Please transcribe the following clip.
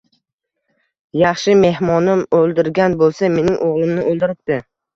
— Yaxshi, mehmonim o’ldirgan bo’lsa, mening o’g’limni o’ldiribdi.